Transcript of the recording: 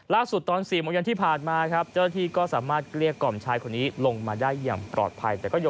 ล่าสุดตอน๔มที่ผ่านมาเจ้าที่ก็สามารถเกลียดกล่อมชายคนนี้ลงมาได้อย่างปลอดภัย